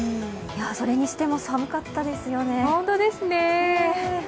それにしても寒かったですよね。